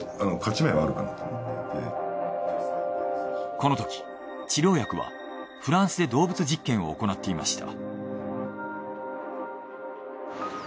このとき治療薬はフランスで動物実験を行っていました。